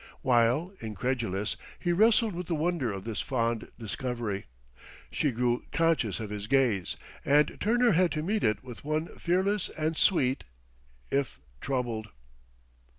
While, incredulous, he wrestled with the wonder of this fond discovery, she grew conscious of his gaze, and turned her head to meet it with one fearless and sweet, if troubled.